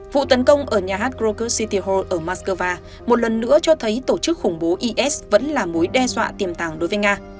vụ tấn công ở nhà hát rocket city ho ở moscow một lần nữa cho thấy tổ chức khủng bố is vẫn là mối đe dọa tiềm tàng đối với nga